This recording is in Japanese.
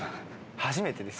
初めてです。